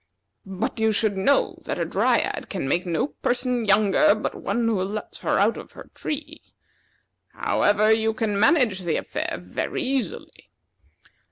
But you should know that a Dryad can make no person younger but one who lets her out of her tree. However, you can manage the affair very easily.